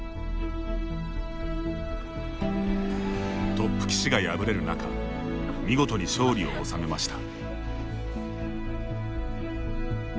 トップ棋士が敗れる中見事に勝利を収めました。